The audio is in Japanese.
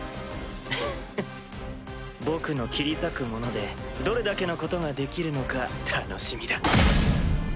フフっ僕の切断者でどれだけのことができるのか楽しみだ！